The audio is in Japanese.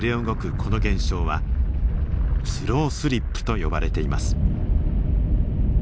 この現象はスロースリップと呼ばれています。